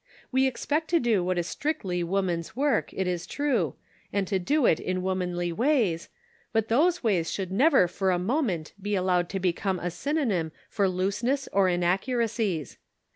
We expect to do what is strictly woman's work, it is true, and to do it in womanly ways, but those ways should never for a moment be allowed to become a synonym for looseness or inaccuracies.